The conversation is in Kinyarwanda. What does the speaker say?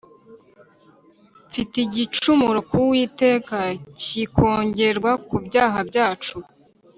Mfite igicumuro ku Uwiteka kikongerwa ku byaha byacu